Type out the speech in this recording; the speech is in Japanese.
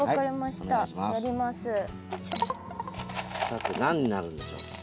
さて何になるんでしょうか？